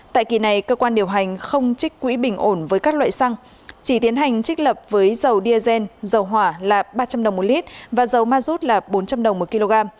tại kỳ này cơ quan điều hành không trích quỹ bình ổn với các loại xăng chỉ tiến hành trích lập với dầu diesel dầu hỏa là ba trăm linh đồng một lít và dầu ma rút là bốn trăm linh đồng một kg